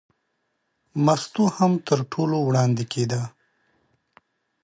مستو هم تر ټولو وړاندې کېده.